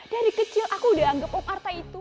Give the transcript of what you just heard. dari kecil aku udah anggap op arta itu